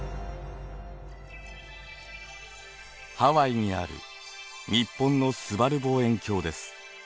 ハワイにある日本のすばる望遠鏡です。